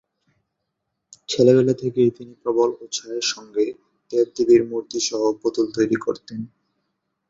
ছেলেবেলা থেকেই তিনি প্রবল উৎসাহের সঙ্গে দেব-দেবীর মূর্তি সহ পুতুল তৈরি করতেন।